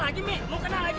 wah pengen dapet pocek lagi